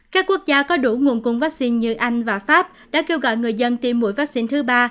các quốc gia có đủ nguồn cung vaccine như anh và pháp đã kêu gọi người dân tiêm mũi vaccine thứ ba